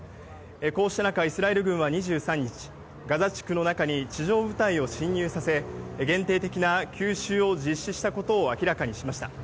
こうした中イスラエル軍は２３日ガザ地区の中に地上部隊を侵入させ、限定的な急襲を実施したことを明らかにしました。